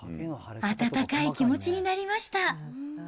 温かい気持ちになりました。